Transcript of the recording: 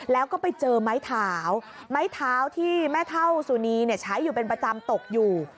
แล้วก็ไปเจอไม้เท้าไม้เท้าที่แม่เท่าสุนีใช้อยู่เป็นประจำตกอยู่